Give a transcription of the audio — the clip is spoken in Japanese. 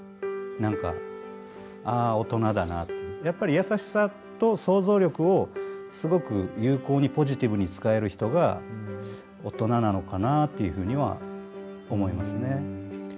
やっぱり優しさと想像力をすごく有効にポジティブに使える人が大人なのかなというふうには思いますね。